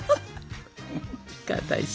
かたいし。